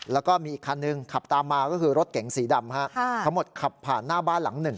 แล้วก็มีอีกคันหนึ่งขับตามมาก็คือรถเก๋งสีดำทั้งหมดขับผ่านหน้าบ้านหลังหนึ่ง